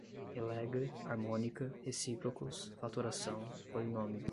Relega, harmônica, recíprocos, fatoração, polinômio